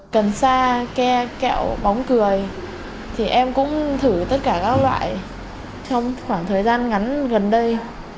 cần sa keo bóng cười thì em cũng thử tất cả các loại trong khoảng thời gian ngắn gần đây